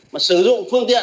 mà sử dụng phương tiện